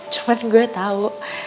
cuman gue tau